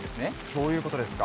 そういうことですか。